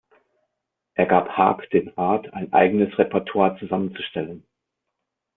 Er gab Haak den Rat ein eigenes Repertoire zusammenzustellen.